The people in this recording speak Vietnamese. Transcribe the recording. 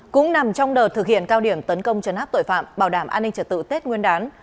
cũng nằm trong đợt thực hiện cao điểm tấn công chấn áp tội phạm bảo đảm an ninh trật tự tết nguyên đán